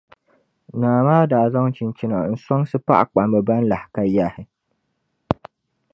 Naa maa daa zaŋ chinchina n-soŋsi paɣakpamba ban lahi ka yahi.